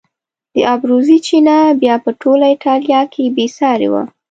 د ابروزي چینه بیا په ټوله ایټالیا کې بې سارې وه.